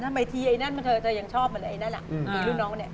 ทำไมเธอยังชอบแบบไหนนะเหล่านี้ลุ่นน้องใช่มั้ย